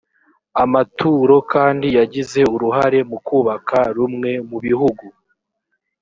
amaturo kandi yagize uruhare mu kubaka rumwe mubihugu